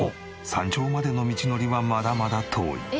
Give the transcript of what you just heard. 山頂までの道のりはまだまだ遠い。